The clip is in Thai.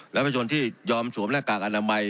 และประชนที่ยอมสวมหน้ากากอนามัย